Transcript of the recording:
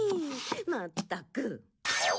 まったく。